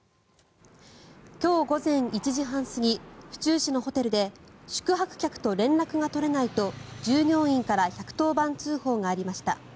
今日午前１時半過ぎ府中市のホテルで宿泊客と連絡が取れないと従業員から１１０番通報がありました。